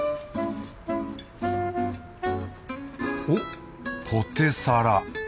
おっポテサラ。